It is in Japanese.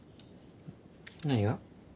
何が？